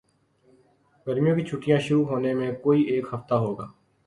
گرمیوں کی چھٹیاں شروع ہونے میں کوئی ایک ہفتہ ہو گا